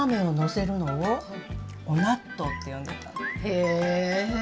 へえ！